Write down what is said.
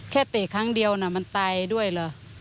เตะครั้งเดียวน่ะมันตายด้วยเหรอ